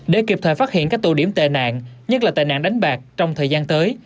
để kịp thời phát hiện các tụ điểm tên àn nhất là tên àn đánh bạc trong thời gian tới